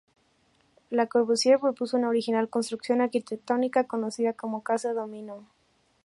Le Corbusier, propuso una original construcción arquitectónica conocida como casa Dom-inó.